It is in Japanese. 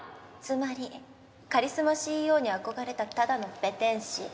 つまりカリスマＣＥＯに憧れたただのペテン師。